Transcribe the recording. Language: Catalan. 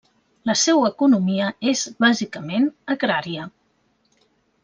La seua economia és bàsicament agrària.